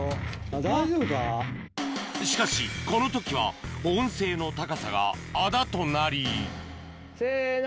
しかしこの時は保温性の高さがあだとなりせの。